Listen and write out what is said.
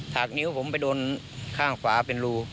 หากนิ้วผมไปโดนข้างขวาเป็นรู